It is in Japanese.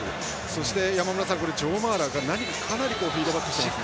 そして、山村さんジョー・マーラーが何か、かなりフィードバックしてますね。